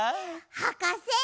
はかせ！